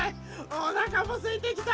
おなかもすいてきた。